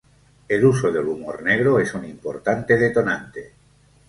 El uso del humor negro es un importante detonante.